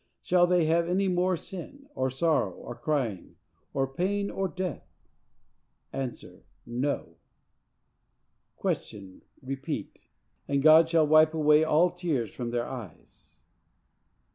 Shall they have any more sin, or sorrow, or crying, or pain, or death?—A. No. Q. Repeat "And God shall wipe away all tears from their eyes."